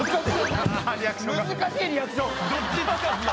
難しいリアクション。